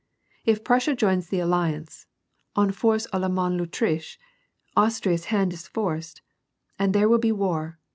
If Prussia joins the alliance, on forcera la main de VAutrkhe — Austria's hand is forced — and there will be war.